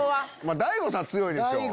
大悟さん強いでしょ。